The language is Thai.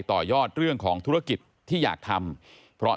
ต่อยอดเรื่องของธุรกิจที่อยากทำเพราะ